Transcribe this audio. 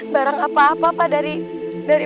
barang apa apa dari